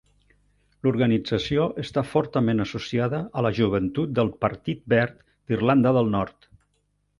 L'organització està fortament associada a la joventut del Partit Verd d'Irlanda del Nord.